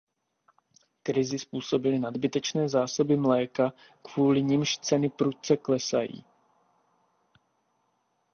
Krizi způsobily nadbytečné zásoby mléka, kvůli nimž ceny prudce klesají.